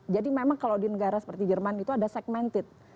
jadi memang kalau di negara seperti jerman itu ada segmented